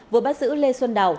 vừa bắt giữ lê xuân đào